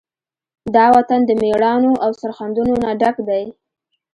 دا وطن د مېړانو، او سرښندنو نه ډک دی.